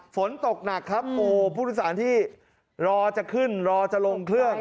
ฝนตกหนักครับพูดคุณผู้ชมที่รอจะขึ้นรอจะลงเครื่อง